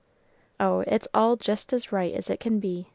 "Oh, it's all just as right as it can be!"